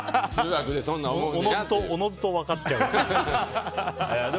おのずと分かっちゃう。